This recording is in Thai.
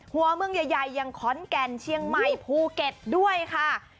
หัวเมืองใหญ่อย่างขอนแก่นเชียงใหม่ภูเก็ตด้วยค่ะ